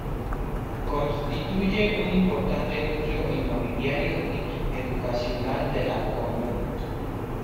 Constituye un importante núcleo inmobiliario y educacional de la comuna.